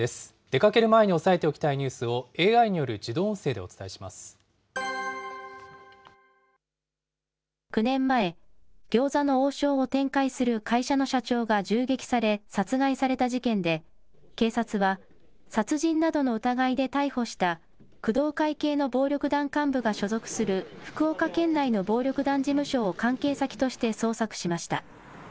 出かける前に押さえておきたいニュースを、ＡＩによる自動音声で９年前、餃子の王将を展開する会社の社長が銃撃され、殺害された事件で、警察は殺人などの疑いで逮捕した、工藤会系の暴力団幹部が所属する福岡県内の暴力団事務所を関係先として捜索しました。